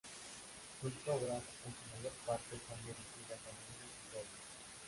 Sus obras, en su mayor parte, están dirigidas a niños y jóvenes.